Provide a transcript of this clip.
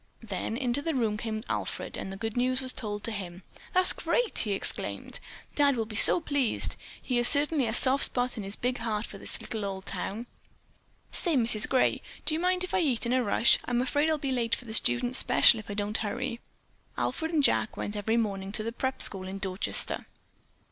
Then into the room came Alfred, and the good news was told to him. "That's great!" he exclaimed. "Dad will be so pleased. He certainly has a soft spot in his big heart for this little old town. Say, Mrs. Gray, do you mind if I eat in a rush? I'm afraid I'll be late for the students' special if I don't hurry." Alfred and Jack went every morning to the "Prep" school in Dorchester.